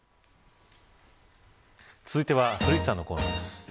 続いては古市さんのコーナーです。